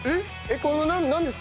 このなんですか？